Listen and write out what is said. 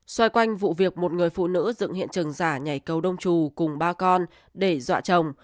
xoay quanh vụ việc một người phụ nữ dựng hiện trường giả nhảy cầu đông trù cùng ba con để dọa chồng